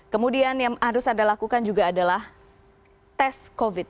kemudian yang harus anda lakukan juga adalah tes covid